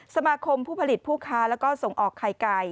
ผู้ผลิตผู้ค้าแล้วก็ส่งออกไข่ไก่